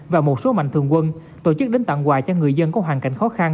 và một số mạnh thường quân tổ chức đến tặng quà cho người dân có hoàn cảnh khó khăn